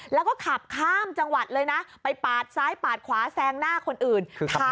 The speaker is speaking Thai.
แล้วก็ขับข้ามจังหวัดเลยนะไปปาดซ้ายปาดขวาแซงหน้าคนอื่น